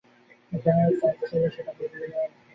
বেশ, চাইলে কাটতে পারি, কিন্তু সেটা শনিবারের আগে না।